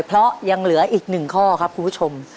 เพราะยังเหลืออีกหนึ่งข้อครับคุณผู้ชม